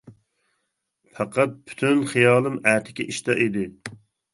پەقەت پۈتۈن خىيالىم ئەتىكى ئىشتا ئىدى.